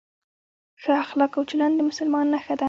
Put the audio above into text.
ښه اخلاق او چلند د مسلمان نښه ده.